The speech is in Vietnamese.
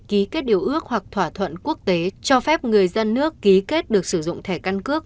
ký kết điều ước hoặc thỏa thuận quốc tế cho phép người dân nước ký kết được sử dụng thẻ căn cước